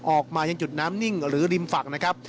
ออกมายังจุดน้ำนิ่งหรือริมฝั่งนะครับ